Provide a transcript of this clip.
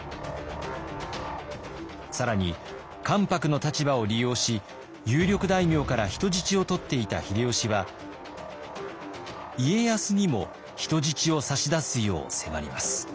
更に関白の立場を利用し有力大名から人質を取っていた秀吉は家康にも人質を差し出すよう迫ります。